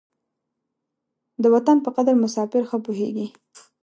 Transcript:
د وطن په قدر مساپر ښه پوهېږي.